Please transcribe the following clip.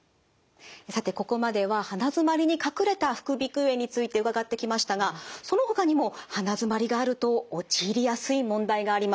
さてここまでは鼻づまりに隠れた副鼻腔炎について伺ってきましたがそのほかにも鼻づまりがあると陥りやすい問題があります。